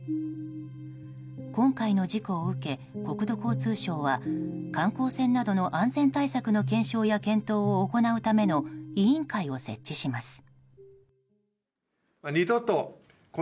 今回の事故を受け国土交通省は観光船などの安全対策の検証や検討を行うための委員会を設置しました。